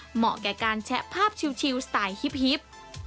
เหมาะแก่การแชะภาพชิลสไตล์ฮิป